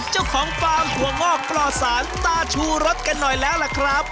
ฟาร์มถั่วงอกปลอดสารตาชูรสกันหน่อยแล้วล่ะครับ